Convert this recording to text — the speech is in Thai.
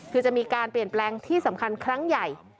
คือจะมีการเปลี่ยนแปลงที่สำคัญครั้งใหญ่